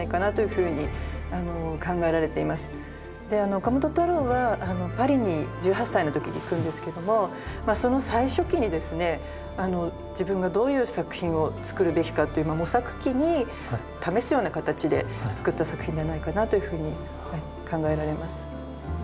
岡本太郎はパリに１８歳のときに行くんですけどもその最初期にですね自分がどういう作品を作るべきかという模索期に試すような形で作った作品ではないかなというふうに考えられます。